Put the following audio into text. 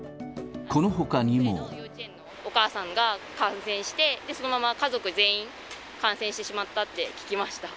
お母さんが感染して、そのまま家族全員、感染してしまったって聞きました。